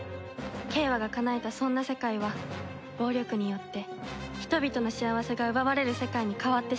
景和がかなえたそんな世界は暴力によって人々の幸せが奪われる世界に変わってしまった